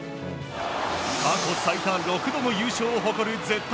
過去最多６度の優勝を誇る絶対